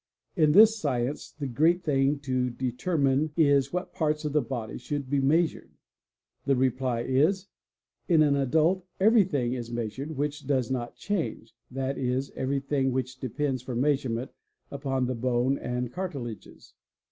In this science the great iF thing to determine "5% js what parts of the body should be measured. ' The reply is: in an adult everything is measured which does not change, th at is, everything which depends for measurement upon the bone and cartilages.